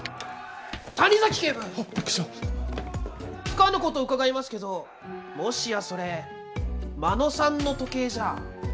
つかぬことを伺いますけどもしやそれ真野さんの時計じゃ。